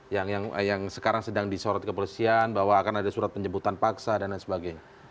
yang sekarang sedang disorot kepolisian bahwa akan ada surat penjemputan paksa dan lain sebagainya